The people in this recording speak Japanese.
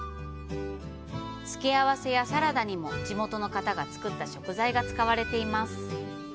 付け合わせやサラダにも地元の方が作った食材が使われています。